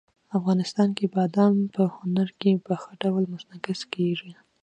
افغانستان کې بادام په هنر کې په ښه ډول منعکس کېږي.